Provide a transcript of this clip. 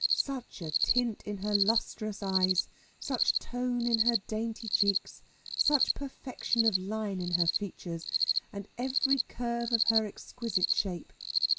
Such a tint in her lustrous eyes, such tone in her dainty cheeks, such perfection of line in her features, and every curve of her exquisite shape.